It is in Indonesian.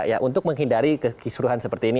ya untuk menghindari kekisruhan seperti ini